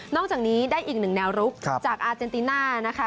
จากนี้ได้อีกหนึ่งแนวรุกจากอาเจนติน่านะคะ